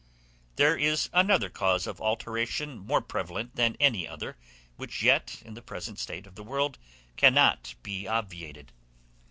There is another cause of alteration more prevalent than any other, which yet in the present state of the world cannot be obviated.